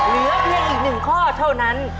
เหลือเพียงอีก๑ข้อเท่านั้น